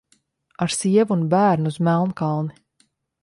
Ar sievu un bērnu uz Melnkalni!